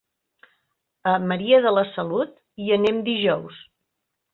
A Maria de la Salut hi anem dijous.